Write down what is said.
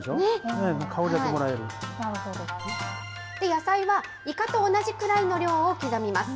野菜はイカと同じくらいの量を刻みます。